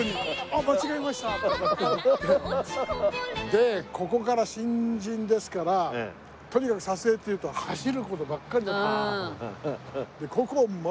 でここから新人ですからとにかく撮影っていうと走る事ばっかりだったの。